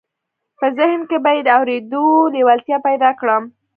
په ذهن کې به یې د اورېدو لېوالتیا پیدا کړم